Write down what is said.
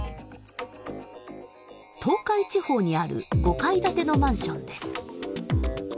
東海地方にある５階建てのマンションです。